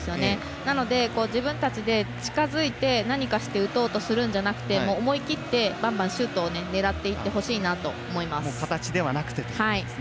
なので、自分たちで近づいて何かして打とうとするんじゃなくて思い切ってばんばんシュートを狙っていってほしいと思います。